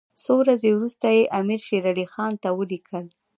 څو ورځې وروسته یې امیر شېر علي خان ته ولیکل.